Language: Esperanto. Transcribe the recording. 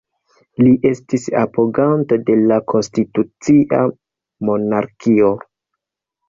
Li estis apoganto de la konstitucia monarkio.